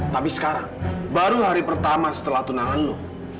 tapi sekarang baru hari pertama setelah tunangan lu